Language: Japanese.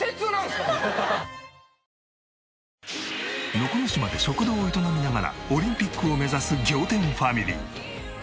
能古島で食堂を営みながらオリンピックを目指す仰天ファミリー！